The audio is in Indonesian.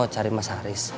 mau cari mas haris